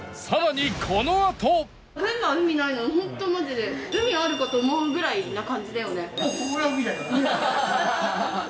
群馬海ないのにホントマジで海あるかと思うぐらいな感じだよね。